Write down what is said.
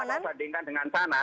karena dibandingkan dengan sana